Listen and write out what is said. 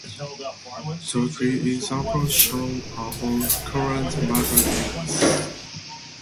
The three examples shown are all Cohen-Macaulay rings.